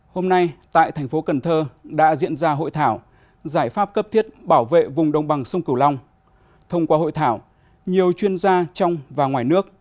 hôm nay tại thành phố cần thơ đã diễn ra hội thảo giải pháp cấp thiết bảo vệ vùng đồng bằng sông cửu long thông qua hội thảo nhiều chuyên gia trong và ngoài nước